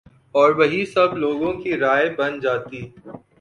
اور وہی سب لوگوں کی رائے بن جاتی